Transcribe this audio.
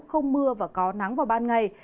không mưa và có nắng vào ban ngày